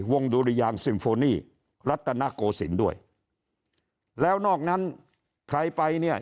ดุริยางซิมโฟนี่รัตนโกศิลป์ด้วยแล้วนอกนั้นใครไปเนี่ย